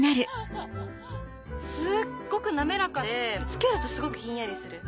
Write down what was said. すっごく滑らかでつけるとすごくひんやりする。